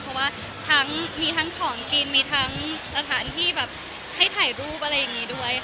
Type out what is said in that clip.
เพราะว่าทั้งมีทั้งของกินมีทั้งสถานที่แบบให้ถ่ายรูปอะไรอย่างนี้ด้วยค่ะ